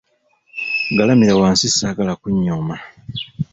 Galamira wansi saagala kunnyooma.